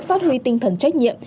phát huy tinh thần trách nhiệm